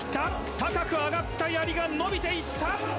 高く上がったやりが伸びていった。